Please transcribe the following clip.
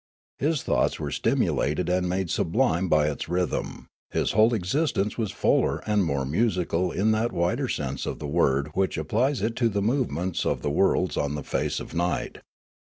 His thoughts were stimulated and made sublime by its rhythm ; his whole existence was fuller and more musical in that wider sense of the word which applies it to the movements of the worlds on the face of night.